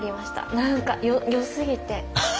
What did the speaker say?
何かよすぎて。